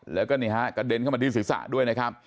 แล้วก็นี่ฮะกระเด็นเข้ามาที่ศีรษะด้วยนะครับ